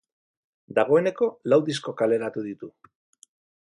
Dagoeneko lau disko kaleratu ditu.